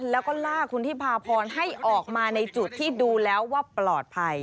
แล้วก็ลากคุณที่พาพรให้ออกมาในจุดที่ดูแล้วว่าปลอดภัย